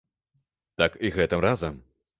Так і гэтым разам.